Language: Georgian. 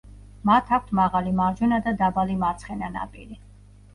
მათ აქვთ მაღალი მარჯვენა და დაბალი მარცხენა ნაპირი.